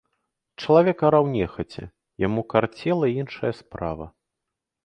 Чалавек араў нехаця, яму карцела іншая справа.